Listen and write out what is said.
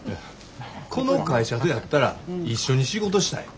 この会社とやったら一緒に仕事したい。